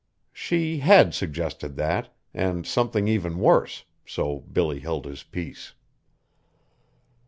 She had suggested that, and something even worse, so Billy held his peace.